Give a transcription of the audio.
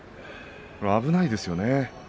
危ないですよね。